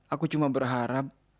aku cuma berharap